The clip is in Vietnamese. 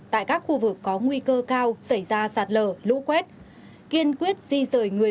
tại các khu vực có nguy cơ cao xảy ra sạt lở lũ quét kiên quyết di rời người